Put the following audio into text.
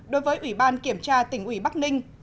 đối với ủy ban kiểm tra tỉnh ủy bắc ninh